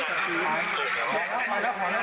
ได้นะครับ